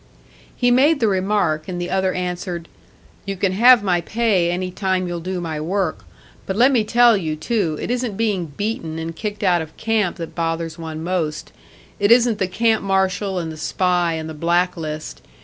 He made the remark, and the other answered, "You can have my pay any time you'll do my work. But let me tell you, too, it isn't being beaten and kicked out of camp that bothers one most; it isn't the camp marshal and the spy and the blacklist.